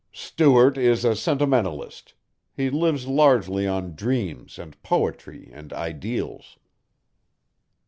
"Stuart is a sentimentalist. He lives largely on dreams and poetry and ideals."